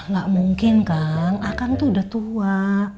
gak mungkin kan akan tuh udah tua